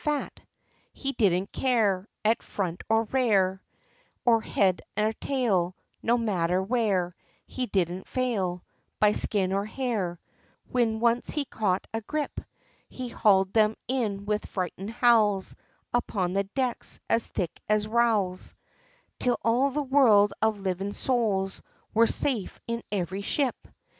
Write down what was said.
He didn't care, At front or rare, Or head or tail, No matther where, He didn't fail, By skin, or hair, Whin once he cotch a grip, He hawled thim in with frightened howls, upon the decks, as thick as rowls; Till all the world of livin' sowls, wor safe in every ship!!